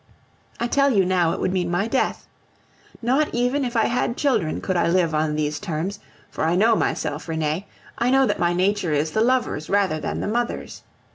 I tell you now it would mean my death. Not even if I had children could I live on these terms, for I know myself, Renee, I know that my nature is the lover's rather than the mother's.